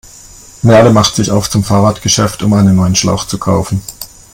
Merle macht sich auf zum Fahrradgeschäft, um einen neuen Schlauch zu kaufen.